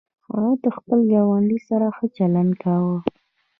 هغه د خپل ګاونډي سره ښه چلند کاوه.